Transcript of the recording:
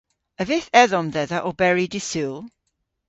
A vydh edhom dhedha oberi dy'Sul?